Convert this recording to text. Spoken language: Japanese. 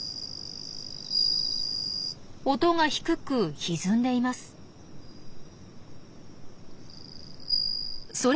音が低くひずんでいます。